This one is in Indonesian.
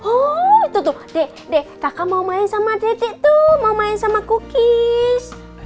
oh itu tuh dek dek kakak mau main sama dede tuh mau main sama cookies